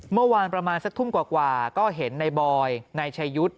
เมื่อวานประมาณสักทุ่มกว่าก็เห็นนายบอยนายชายุทธ์